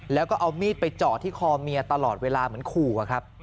แล้วก็เอามีดไปเจาะที่คอเมียตลอดเวลาเหมือนขู่อะครับ